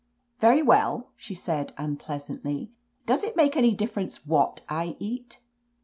"Very well," she said unpleasantly. "Does 'it make any difference what I eat